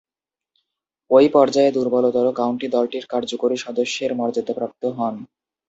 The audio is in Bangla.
ঐ পর্যায়ে দূর্বলতর কাউন্টি দলটির কার্যকরী সদস্যের মর্যাদাপ্রাপ্ত হন।